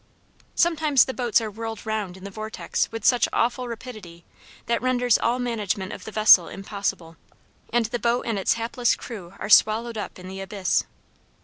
Sometimes the boats are whirled round in the vortex with such awful rapidity that renders all management of the vessel impossible, and the boat and its hapless crew are swallowed up in the abyss.